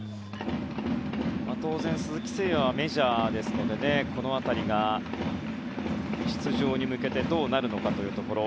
当然、鈴木誠也はメジャーですのでこの辺りが出場に向けてどうなるのかというところ。